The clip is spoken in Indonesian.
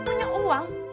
belum punya uang